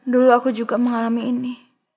dulu aku juga mengalami ini